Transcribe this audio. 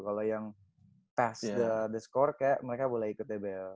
kalau yang tas the score kayak mereka boleh ikut tbl